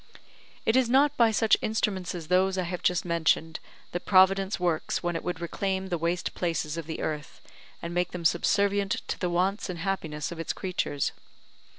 It is not by such instruments as those I have just mentioned, that Providence works when it would reclaim the waste places of the earth, and make them subservient to the wants and happiness of its creatures.